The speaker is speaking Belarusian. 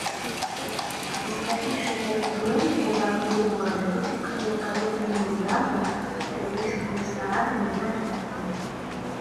Катастрафічныя разбурэння на захадзе горада выкліканыя паветранымі ўдарамі, артылерыйскімі снарадамі і ракетамі.